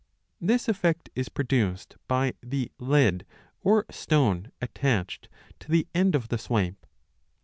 This effect is produced by the lead or stone attached to the end of the swipe.